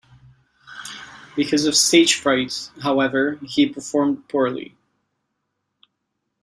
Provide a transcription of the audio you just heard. Because of stage fright, however, he performed poorly.